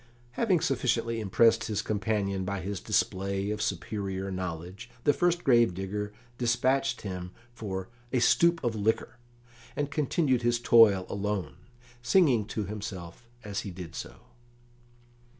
Having sufficiently impressed his companion by his display of superior knowledge, the first grave digger despatched him for "a stoup of liquor," and continued his toil alone, singing to himself as he did so.